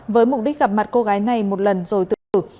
với mục đích gặp mặt cô gái này một lần rồi tự tử